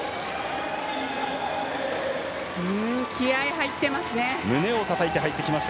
気合い入ってますね。